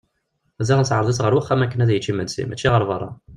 Ziɣen teɛreḍ-it ɣer uxxam akken ad yečč imensi mačči ɣer berra.